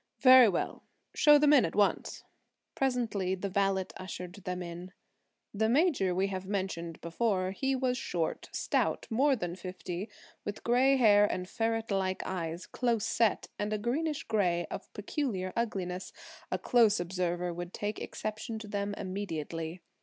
"Very well; show them in, at once." Presently the valet ushered them in. The major we have mentioned before; he was short, stout, more than fifty, with gray hair and ferret like eyes, close set, and a greenish gray of peculiar ugliness; a close observer would take exception to them immediately.